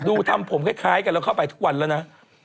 ทำผมคล้ายกันแล้วเข้าไปทุกวันแล้วนะ